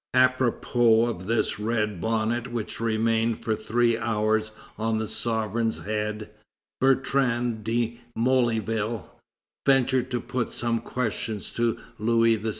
Apropos of this red bonnet which remained for three hours on the sovereign's head, Bertrand de Molleville ventured to put some questions to Louis XVI.